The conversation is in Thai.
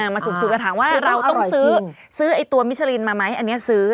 มาสุ่มแต่ถามว่าเราต้องซื้อไอ้ตัวมิชลินมาไหมอันนี้ซื้อ